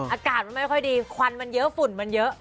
อากาศมันไม่ค่อยดีควันมันเยอะฝุ่นมันเยอะ